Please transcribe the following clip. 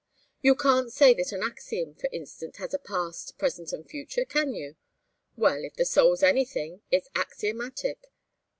You can't say that an axiom, for instance, has a past, present, and future, can you? Well if the soul's anything, it's axiomatic.